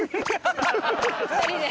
谷：２人で。